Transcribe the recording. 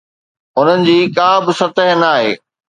انهن جي ڪا به سطح ناهي.